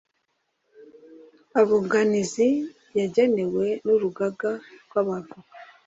Abunganizi yagenewe n’urugaga rw’abavoka